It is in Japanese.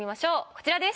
こちらです。